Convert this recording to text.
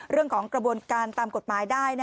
เรื่องของกระบวนการตามกฎหมายได้